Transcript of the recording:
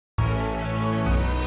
imu bos nya hidup ramai ya